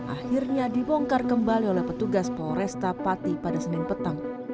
akhirnya dibongkar kembali oleh petugas polresta pati pada senin petang